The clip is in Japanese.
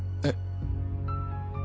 えっ。